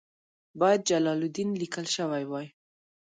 باید جلال الدین لیکل شوی وای.